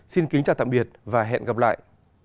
xin chào tạm biệt và hẹn gặp lại